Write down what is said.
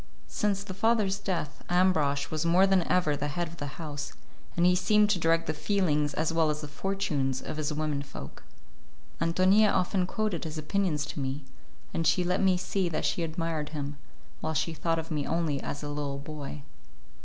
Since the father's death, Ambrosch was more than ever the head of the house and he seemed to direct the feelings as well as the fortunes of his women folk. Ántonia often quoted his opinions to me, and she let me see that she admired him, while she thought of me only as a little boy.